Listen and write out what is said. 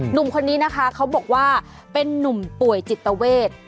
หนุ่มคนนี้นะคะเขาบอกว่าเป็นนุ่มป่วยจิตเวท